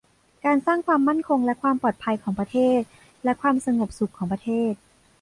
การสร้างความมั่นคงและความปลอดภัยของประเทศ และความสงบสุขของประเทศ